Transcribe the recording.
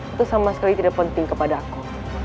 itu sama sekali tidak penting kepada aku